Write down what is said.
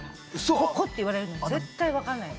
ここって言われるけど絶対分かんないの。